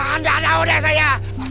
anda tahu deh saya